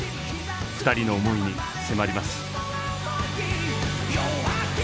２人の思いに迫ります。